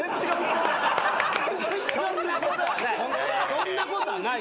そんなことはない。